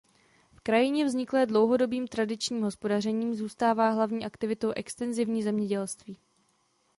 V krajině vzniklé dlouhodobým tradičním hospodařením zůstává hlavní aktivitou extenzivní zemědělství.